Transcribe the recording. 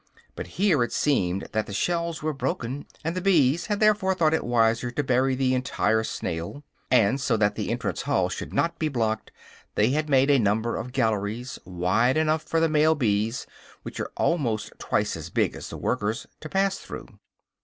But here it seemed that the shells were broken, and the bees had therefore thought it wiser to bury the entire snail; and so that the entrance hall should not be blocked, they had made a number of galleries, wide enough for the male bees, which are almost twice as big as the workers, to pass through.